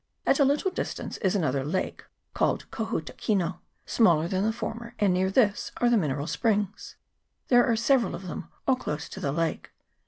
At a little distance is another lake, called Ko huta kino, smaller than the former, and near this are the mineral springs. There are several of them, all close to the lake.